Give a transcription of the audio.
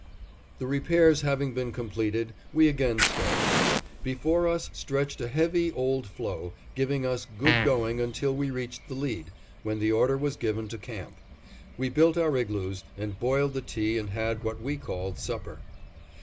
The repairs having been completed, we again started. Before us stretched a heavy, old floe, giving us good going until we reached the lead, when the order was given to camp. We built our igloos, and boiled the tea and had what we called supper.